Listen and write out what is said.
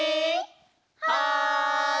はい。